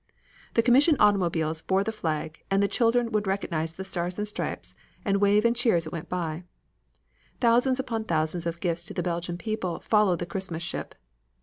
The commission automobiles bore the flag, and the children would recognize the Stars and Stripes and wave and cheer as it went by. Thousands upon thousands of gifts to the Belgian people followed the Christmas ship.